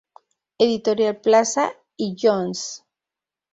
Editorial Plaza y Jones.